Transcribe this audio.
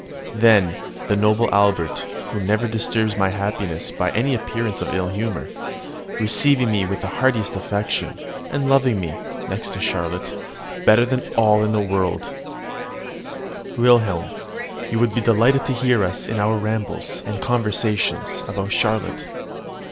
then the noble Albert, who never disturbs my happiness by any appearance of ill humour, receiving me with the heartiest affection, and loving me, next to Charlotte, better than all the world! Wilhelm, you would be delighted to hear us in our rambles, and conversations about Charlotte.